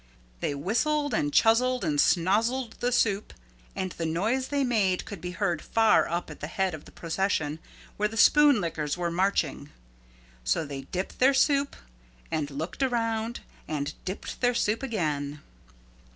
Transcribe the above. They whistled and chuzzled and snozzled the soup and the noise they made could be heard far up at the head of the procession where the Spoon Lickers were marching. So they dipped their soup and looked around and dipped their soup again.